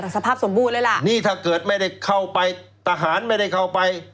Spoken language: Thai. สภาพสมบูรณ์เลยล่ะนี่ถ้าเกิดไม่ได้เข้าไปทหารไม่ได้เข้าไป